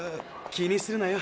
気にするなよ